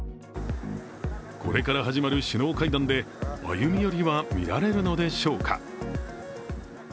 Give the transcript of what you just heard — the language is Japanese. これから始まる首脳会談で歩み寄りは見られるのでしょうか。